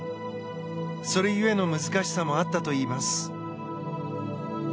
それゆえの難しさもあったといいます。